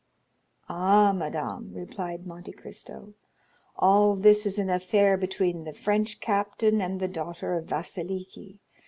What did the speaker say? "Ah, madame," replied Monte Cristo, "all this is an affair between the French captain and the daughter of Vasiliki.